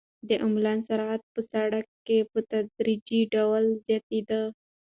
د امبولانس سرعت په سړک کې په تدریجي ډول زیاتېده.